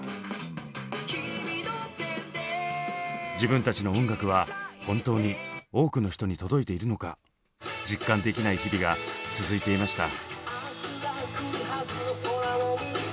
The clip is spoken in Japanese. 自分たちの音楽は本当に多くの人に届いているのか実感できない日々が続いていました。